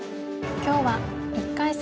今日は１回戦